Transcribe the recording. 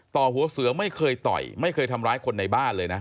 ต่อหัวเสือไม่เคยต่อยไม่เคยทำร้ายคนในบ้านเลยนะ